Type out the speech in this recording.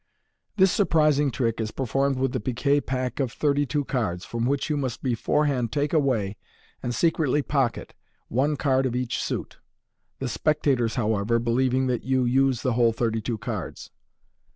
— This surprising trick is per formed with the piquet pack of thirty two cards, from which yon must beforehand take away, and secretly pocket, one card of each suit, the spectators, however, believing that you use the whole thirty two cards.